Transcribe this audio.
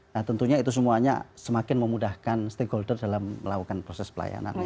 nah tentunya itu semuanya semakin memudahkan stakeholder dalam melakukan proses pelayanan